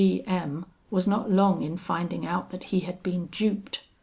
G M was not long in finding out that he had been duped.